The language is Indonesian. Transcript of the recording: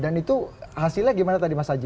dan itu hasilnya gimana tadi mas aji